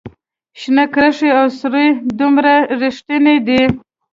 شنه کرښې او سورې دومره ریښتیني دي